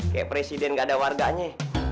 kayak presiden gak ada warganya